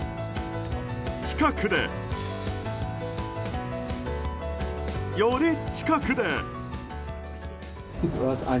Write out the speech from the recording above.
近くで、より近くで！